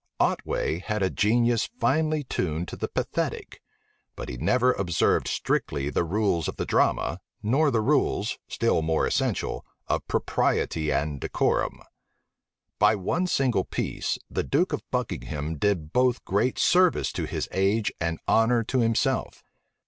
Otway had a genius finely turned to the pathetic; but he neither observed strictly the rules of the drama, nor the rules, still more essential, of propriety and decorum. By one single piece, the duke of Buckingham did both great service to his age and honor to himself.